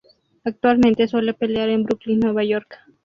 Actualmente suele pelear en Brooklyn, Nueva York.